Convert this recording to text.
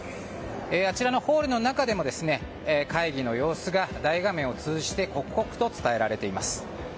あちらのホールの中でも会議の様子が大画面を通じて刻々と伝えられています。